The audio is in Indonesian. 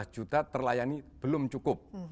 empat belas juta terlayani belum cukup